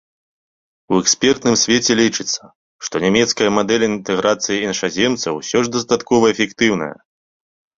У экспертным свеце лічыцца, што нямецкая мадэль інтэграцыі іншаземцаў усё ж дастаткова эфектыўная.